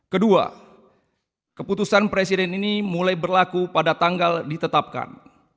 kedua keputusan presiden ini mulai berlaku pada tanggal ditetapkan